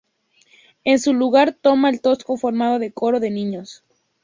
En su lugar, toma el tosco formato de coro de niños.